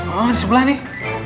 oh disebelah nih